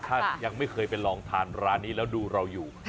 ถ้ายังไม่เคยไปลองทานร้านนี้แล้วดูเราอยู่